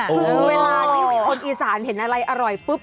คือเวลาที่คนอีสานเห็นอะไรอร่อยปุ๊บ